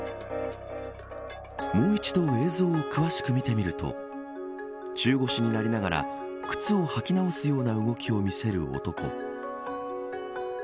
もう一度映像を詳しく見てみると中腰になりながら靴を履き直すような動きを見せる男。